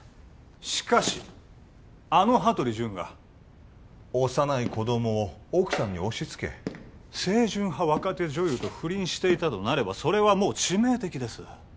しかしあの羽鳥潤が幼い子どもを奥さんに押しつけ清純派若手女優と不倫していたとなればそれはもう致命的です